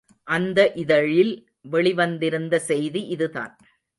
அந்த இதழில் வெளிவந்திருந்த செய்தி இதுதான்.